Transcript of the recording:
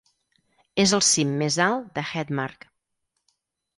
És el cim més alt de Hedmark.